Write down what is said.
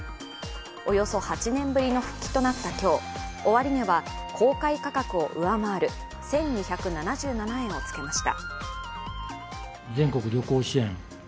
およそ８年ぶりの復帰となった今日終値は公開価格を上回る１２７７円をつけました。